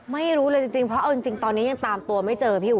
ไม่รู้เลยจริงเพราะตอนนี้ยังตามตัวไม่เจอ